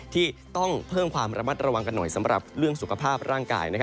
ที่ต้องเพิ่มความระมัดระวังกันหน่อยสำหรับเรื่องสุขภาพร่างกาย